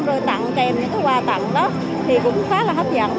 rồi tặng kèm những cái quà tặng đó thì cũng khá là hấp dẫn